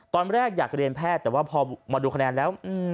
ตอนแรกอยากเรียนแพทย์แต่ว่าพอมาดูคะแนนแล้ว